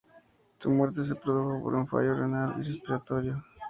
Su muerte se produjo por un fallo renal y respiratorio.